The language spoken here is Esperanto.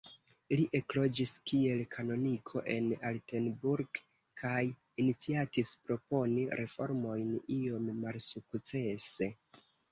Li ekloĝis kiel kanoniko en Altenburg, kaj iniciatis proponi reformojn, iom malsukcese.